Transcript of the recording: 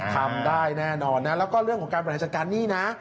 ทำได้แน่นอนนะแล้วก็เรื่องของการบริหารจัดการหนี้นะ